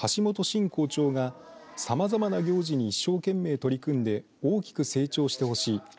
新校長がさまざまな行事に一生懸命取り組んで大きく成長してほしい。